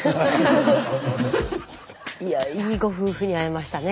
いやいいご夫婦に会えましたね。